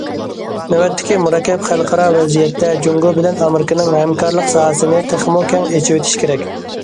نۆۋەتتىكى مۇرەككەپ خەلقئارا ۋەزىيەتتە، جۇڭگو بىلەن ئامېرىكىنىڭ ھەمكارلىق ساھەسىنى تېخىمۇ كەڭ ئېچىۋېتىش كېرەك.